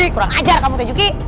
kurang ajar kamu teh joki